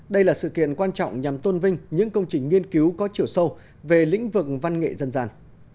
đây là sự kiện quan trọng nhằm tôn vinh những công trình nghiên cứu có chiều sâu về lĩnh vực văn nghệ dân gian